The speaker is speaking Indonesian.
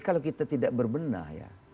kalau kita tidak berbenah ya